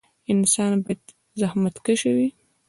انسان باید زخمتکشه وي